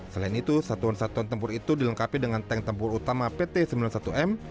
selain itu satuan satuan tempur itu dilengkapi dengan tank tempur utama pt sembilan puluh satu m